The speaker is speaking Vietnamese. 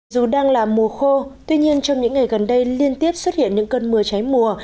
dù đang là mùa khô tuy nhiên trong những ngày gần đây liên tiếp xuất hiện những cơn mưa cháy mùa